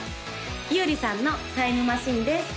優里さんの「タイムマシン」です